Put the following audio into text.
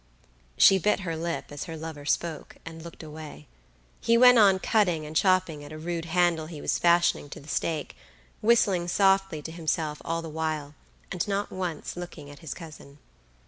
She bit her lip as her lover spoke, and looked away. He went on cutting and chopping at a rude handle he was fashioning to the stake, whistling softly to himself all the while, and not once looking at his cousin.